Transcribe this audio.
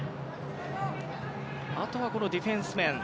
あとは、ディフェンス面。